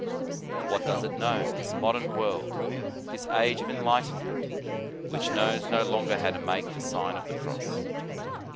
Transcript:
What does it know, this modern world, this age of enlightenment, which knows no longer how to make the Sign of the Cross?